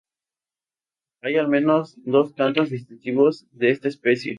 Hay al menos dos cantos distintivos de esta especie.